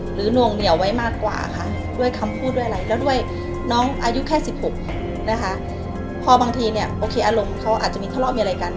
หรือความรักของเขากับแฟน